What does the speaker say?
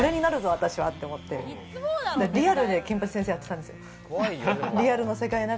私はって思ってリアルで『金八先生』やってたんですよ。